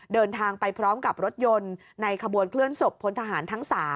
เดินทางไปพร้อมกับรถยนต์ในขบวนเคลื่อนศพพลทหารทั้ง๓